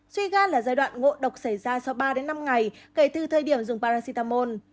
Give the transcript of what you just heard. suy gan là giai đoạn ngộ độc xảy ra sau ba năm ngày kể từ thời điểm dùng paracetamol